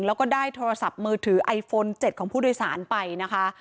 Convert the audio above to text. แล้วก็ได้โทรศัพท์มือถือไอโฟน๗ของผู้โดยสารไปนะคะ